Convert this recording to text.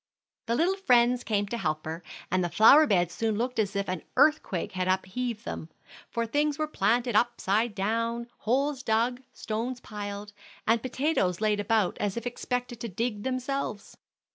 The little friends came to help her, and the flower beds soon looked as if an earthquake had upheaved them; for things were planted upside down, holes dug, stones piled, and potatoes laid about as if expected to dig themselves.